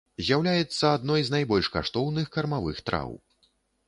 З'яўляецца адной з найбольш каштоўных кармавых траў.